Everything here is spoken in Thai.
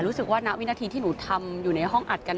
รู้สึกว่านะวินาทีที่หนูทำอยู่ในห้ออัดกัน